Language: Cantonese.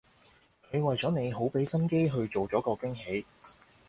佢為咗你好畀心機去做咗個驚喜